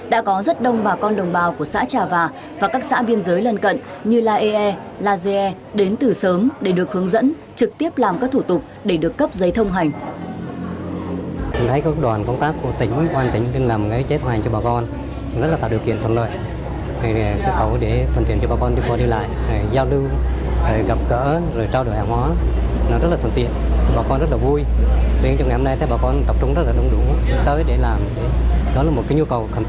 đã có rất đông bà con đồng bào của xã trà và và các xã biên giới lân cận như la e la g đến từ sớm để được hướng dẫn trực tiếp làm các thủ tục để được cấp giấy thông hành